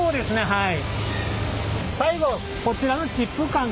はい。